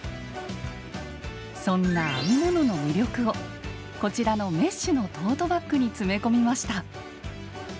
そんな編み物の魅力をこちらのメッシュのトートバッグに詰め込みました。